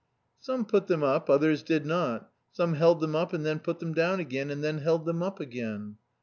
Some put them up, others did not. Some held them up and then put them down again and then held them up again.